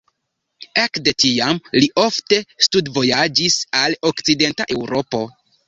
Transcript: Ekde tiam li ofte studvojaĝis al okcidenta Eŭropo.